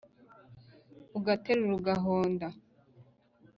Ugaterura ugahonda